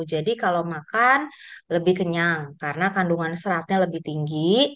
jadi kalau makan lebih kenyang karena kandungan seratnya lebih tinggi